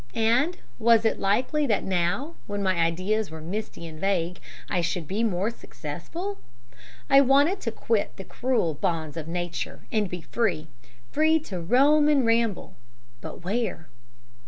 And was it likely that now, when my ideas were misty and vague, I should be more successful? I wanted to quit the cruel bonds of nature and be free free to roam and ramble. But where?